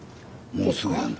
もうすぐやんか。